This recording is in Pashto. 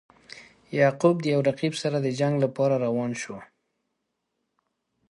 یعقوب د یو رقیب سره د جنګ لپاره روان شو.